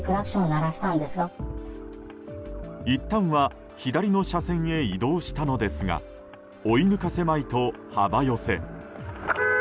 いったんは左の車線へ移動したのですが追い抜かせまいと幅寄せ。